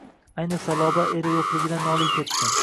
Ayniqsa, Lobar eri yo`qligidan noliy ketdi